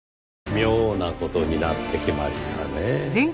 妙な事になってきましたねぇ。